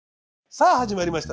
さあ始まりました。